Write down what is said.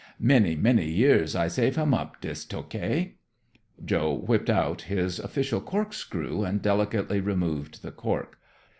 Many, many years I save him up, dis Tokai." Joe whipped out his official cork screw and delicately removed the cork.